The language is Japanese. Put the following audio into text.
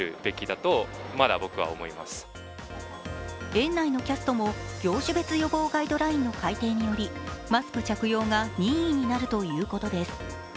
園内のキャストも業種別予防ガイドラインの改訂によりマスク着用が任意になるということです。